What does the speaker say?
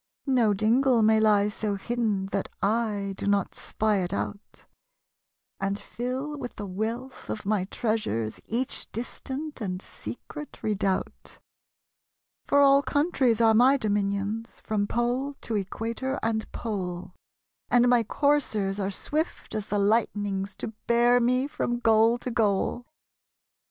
No dingle may lie so hidden That / do not spy it out, And fill with the wealih of my treasures Each distant and secret redoubt. 3S SONG OF AUTUMN. For all countries are my dominionSj From pole to equator and pole; And my coursers are swift as the light'nings To bear me from goal to goal.